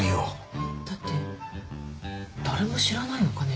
えっ？だって誰も知らないお金よ。